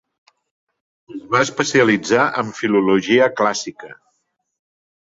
Es va especialitzar en filologia clàssica.